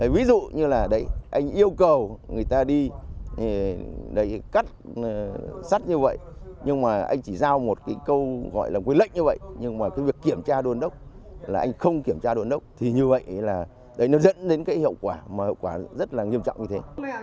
ví dụ như là đấy anh yêu cầu người ta đi cắt sắt như vậy nhưng mà anh chỉ giao một cái câu gọi là cái lệnh như vậy nhưng mà cái việc kiểm tra đôn đốc là anh không kiểm tra đôn đốc thì như vậy là đấy nó dẫn đến cái hậu quả mà hậu quả rất là nghiêm trọng như thế